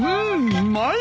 うまい！